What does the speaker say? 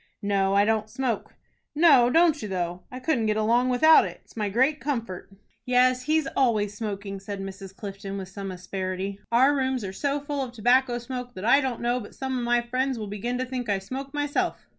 "No. I don't smoke." "No, don't you though? I couldn't get along without it. It's my great comfort." "Yes, he's always smoking," said Mrs. Clifton, with some asperity. "Our rooms are so full of tobacco smoke, that I don't know but some of my friends will begin to think I smoke myself."